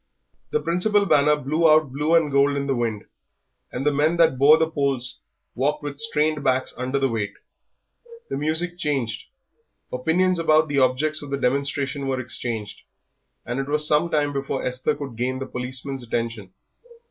The principal banner blew out blue and gold in the wind, and the men that bore the poles walked with strained backs under the weight; the music changed, opinions about the objects of the demonstration were exchanged, and it was some time before Esther could gain the policeman's attention.